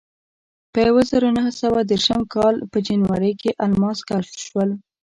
په یوه زرو نهه سوه دېرشم کال په جنورۍ کې الماس کشف شول.